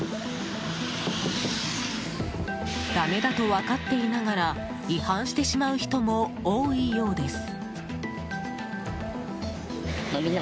だめだと分かっていながら違反してしまう人も多いようです。